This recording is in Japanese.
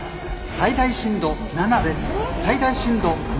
最大震度７です。